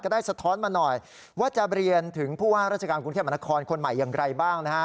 ได้สะท้อนมาหน่อยว่าจะเรียนถึงผู้ว่าราชการกรุงเทพมหานครคนใหม่อย่างไรบ้างนะฮะ